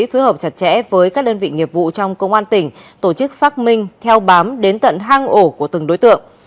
phối hợp chặt chẽ với các đơn vị nghiệp vụ trong công an tỉnh tổ chức xác minh theo bám đến tận hang ổ của từng đối tượng